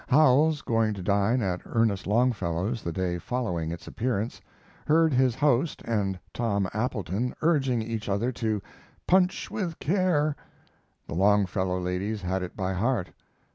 Howells, going to dine at Ernest Longfellow's the day following its appearance, heard his host and Tom Appleton urging each other to "Punch with care." The Longfellow ladies had it by heart.